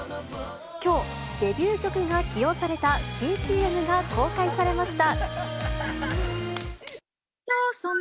きょう、デビュー曲が起用された新ＣＭが公開されました。